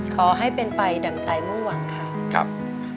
ขอให้เป็นไฟดำใจมุมวังค่ะครับ